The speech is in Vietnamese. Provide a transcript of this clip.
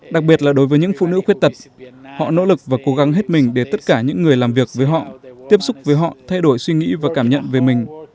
đặc biệt là đối với những phụ nữ khuyết tật họ nỗ lực và cố gắng hết mình để tất cả những người làm việc với họ tiếp xúc với họ thay đổi suy nghĩ và cảm nhận về mình